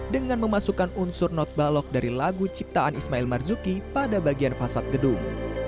dengan memasukkan unsur not balok dari lagu ciptaan ismail marzuki pada bagian fasad gedung